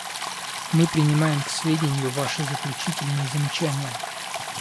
Мы принимаем к сведению Ваши заключительные замечания.